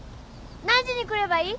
何時に来ればいい？